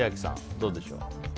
どうでしょう。